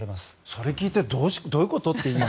それを聞いてどういうこと？って。